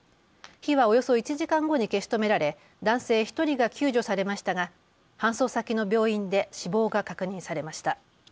火はおよそ１時間後に消し止められ男性１人が救助されましたが搬送先の病院で死亡が確認されました。